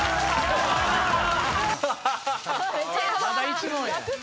まだ１問や。